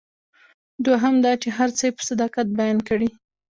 دوهم دا چې هر څه یې په صداقت بیان کړي.